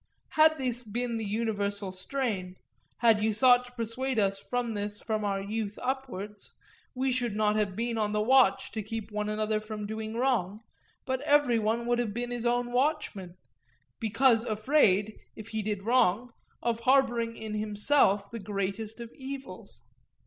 Had this been the universal strain, had you sought to persuade us of this from our youth upwards, we should not have been on the watch to keep one another from doing wrong, but every one would have been his own watchman, because afraid, if he did wrong, of harbouring in himself the greatest of evils.